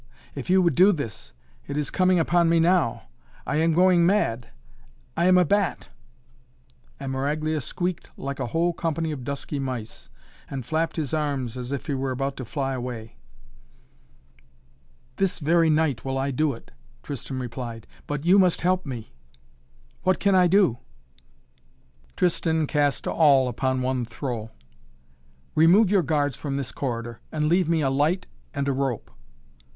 If you would do this! It is coming upon me now. I am going mad. I am a bat!" And Maraglia squeaked like a whole company of dusky mice, and flapped his arms as if he were about to fly away. "This very night will I do it," Tristan replied. "But you must help me." "What can I do?" Tristan cast all upon one throw. "Remove your guards from this corridor and leave me a light and a rope."